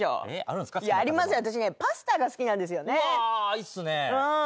いいっすね。